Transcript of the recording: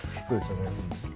そうでしょうね。